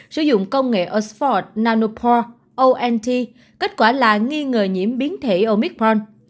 sử dụng công nghệ oxford nanopore ont kết quả là nghi ngờ nhiễm biến thể omicron